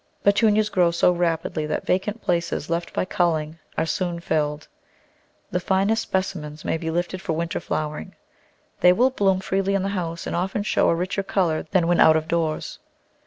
Petunias grow so rapidly that vacant places left by culling are soon filled. The finest specimens may be lifted for winter flowering. They will bloom freely in the house and often show a richer colour than when out of doors.